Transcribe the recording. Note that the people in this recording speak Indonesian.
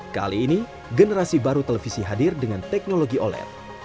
kali ini generasi baru televisi hadir dengan teknologi oled